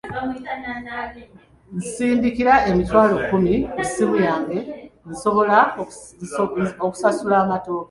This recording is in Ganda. Nsindikira emitwalo kkumi ku ssimu yange nsobola okusasula ow'amatooke.